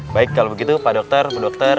baik kalau begitu pak dokter bu dokter